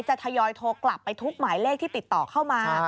ทยอยโทรกลับไปทุกหมายเลขที่ติดต่อเข้ามา